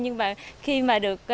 nhưng mà khi mà được